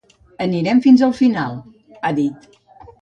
Anirem fins al final, ha dit.